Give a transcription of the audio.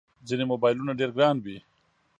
ځینې موبایلونه ډېر ګران وي.